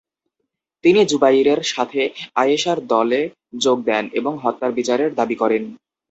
তিনি যুবাইরের সাথে আয়েশার দলে যোগ দেন এবং হত্যার বিচারের দাবি করেন।